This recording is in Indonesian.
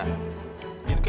kalo papa aku atau bukan